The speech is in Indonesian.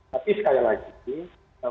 tapi sekali lagi